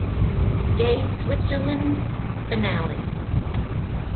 Gay Switzerland Finale.